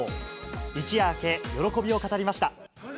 一夜明け、喜びを語りました。